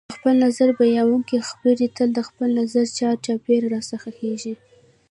د خپل نظر بیانونکي خبرې تل د خپل نظر چار چاپېره راڅرخیږي